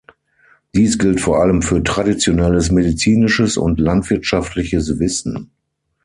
Dies gilt vor allem für traditionelles medizinisches und landwirtschaftliches Wissen.